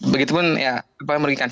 begitupun ya pak merguikan